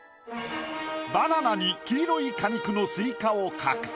バナナに黄色い果肉のスイカを描く。